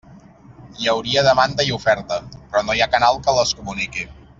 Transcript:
Hi hauria demanda i oferta, però no hi ha canal que les comuniqui.